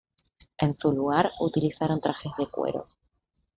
En su lugar, utilizaron trajes de cuero.